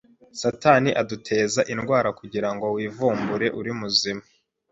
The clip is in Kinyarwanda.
Satani aduteza indwara kugirango wivumbure uri muzima